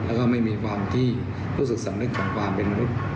แล้วก็ไม่มีความที่รู้สึกสำนึกของความเป็นมนุษย์